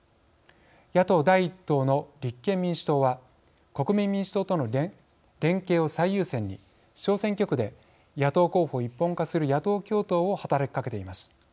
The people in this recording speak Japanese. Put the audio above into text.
野党第１党の立憲民主党は国民民主党との連携を最優先に小選挙区で野党候補を一本化する野党共闘を働きかけています。